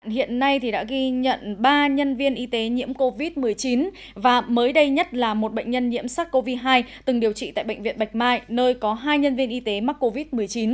hiện nay đã ghi nhận ba nhân viên y tế nhiễm covid một mươi chín và mới đây nhất là một bệnh nhân nhiễm sars cov hai từng điều trị tại bệnh viện bạch mai nơi có hai nhân viên y tế mắc covid một mươi chín